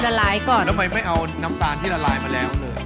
ทำไมไม่เอาน้ำตาลที่ละลายมาแล้ว